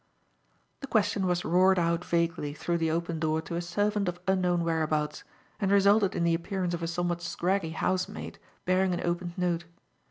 The question was roared out vaguely through the open door to a servant of unknown whereabouts, and resulted in the appearance of a somewhat scraggy housemaid bearing an opened note.